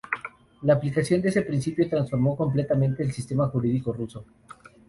La aplicación de ese principio transformó completamente el sistema jurídico ruso.